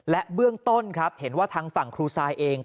และเบื้องต้นครับเห็นว่าทางฝั่งครูซายเอง